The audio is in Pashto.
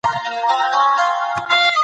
د نورو حقوق وپېژنئ.